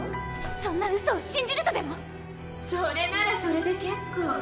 そんなうそを信じるとでも⁉それならそれで結構。